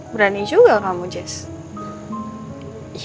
berani juga kamu jess